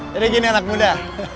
jadi gini anak muda